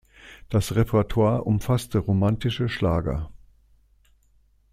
Das Repertoire umfasste romantische Schlager.